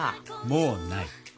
もうない！